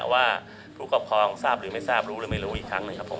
ว่าผู้ครอบครองทราบหรือไม่ทราบรู้หรือไม่รู้อีกครั้งนะครับผม